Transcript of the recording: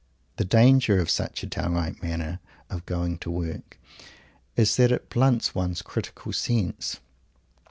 The danger of such a downright manner of going to work is that it blunts one's critical sense.